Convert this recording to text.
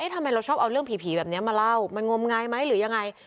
ทำไมเราชอบเอาเรื่องผีแบบนี้มาเล่ามันงมงายไหมหรือยังไง